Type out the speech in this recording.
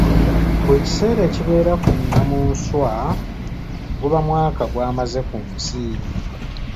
Buli kiseera ekibeera ku nnamunswa guba mwaka gw'amaze ku nsi.